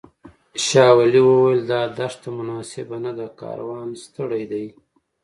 شاولي وویل دا دښته مناسبه نه ده کاروان ستړی دی.